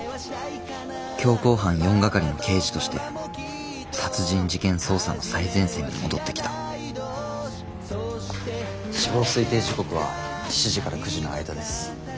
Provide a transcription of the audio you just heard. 強行犯４係の刑事として殺人事件捜査の最前線に戻ってきた死亡推定時刻は７時から９時の間です。